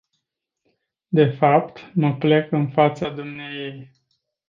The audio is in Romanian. De fapt, mă plec în fața dumneaei.